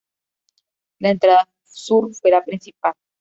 La entrada sur fue la principal.